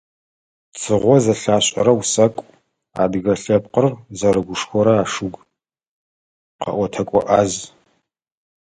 Цыгъо зэлъашӀэрэ усакӀу, адыгэ лъэпкъыр зэрыгушхорэ ашуг, къэӀотэкӀо Ӏаз.